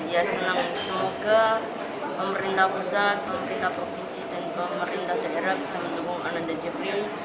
ya senang semoga pemerintah pusat pemerintah provinsi dan pemerintah daerah bisa mendukung ananda jeffrey